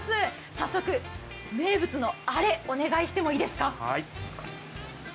早速、名物のあれ、お願いしてもいいですか。